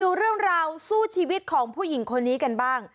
ดูเรื่องราวสู้ชีวิตของผู้หญิงคนนี้กันบ้าง